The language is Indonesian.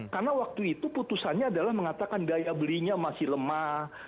karena waktu itu putusannya adalah mengatakan daya belinya masih lemah